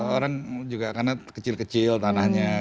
orang juga karena kecil kecil tanahnya